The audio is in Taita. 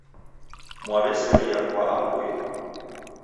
Mwaw'eseria kwa aw'uye